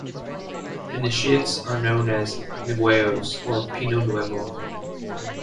Initiates are known as "ngueyos" or "pino nuevo".